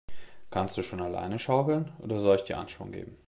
Kannst du schon alleine schaukeln, oder soll ich dir Anschwung geben?